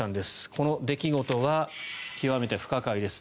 この出来事は極めて不可解です。